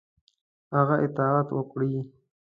هغه اطاعت وکړي.